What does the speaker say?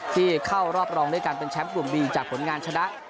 ที่เข้ารอบรองด้วยการเป็นแชมป์กลุ่มบีจากผลงานชนะ